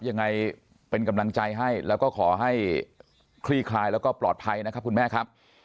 ยังไงเป็นกำลังใจให้แล้วก็ขอให้คลี่คลายแล้วก็ปลอดภัยนะครับคุณแม่ครับ